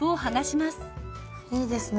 いいですね。